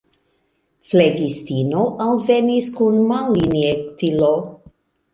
Flegistino alvenis kun malinjektilo.